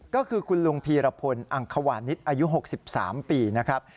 ก็คือคุณลุงพีรพลอังควานิสอายุ๖๓ปีนะครับ